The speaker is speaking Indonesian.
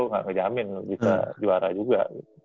gak ngejamin lu bisa juara juga